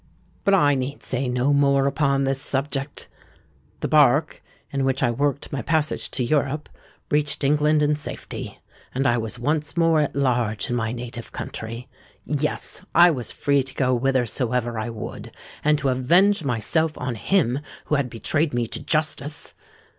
"But I need say no more upon this subject. The bark, in which I worked my passage to Europe, reached England in safety; and I was once more at large in my native country. Yes—I was free to go whithersoever I would—and to avenge myself on him who had betrayed me to justice!